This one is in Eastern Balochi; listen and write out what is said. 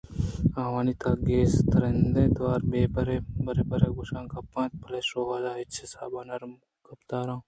آوانی تہا گیسا ءِترٛندیں توار برے برے گوشاں کپت اَنت بلئے شوارذر ہرچ حساب ءَ نرم گپتار